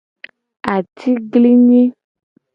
Atiglinyi.